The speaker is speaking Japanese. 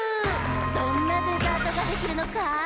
どんなデザートができるのか？